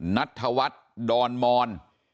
นัทธวัฒน์ดอนมอน